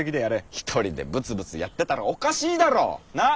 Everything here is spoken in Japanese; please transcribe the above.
ひとりでブツブツやってたらおかしいだろォ？なっ？